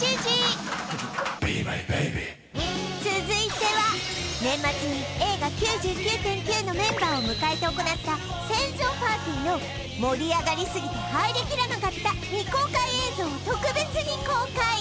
続いては年末に映画「９９．９」のメンバーを迎えて行った船上パーティーの盛り上がりすぎて入りきらなかった未公開映像を特別に公開